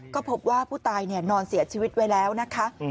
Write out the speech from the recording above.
ก็พบว่าผู้ตายนอนเสียชีวิตไว้แล้วนะคะ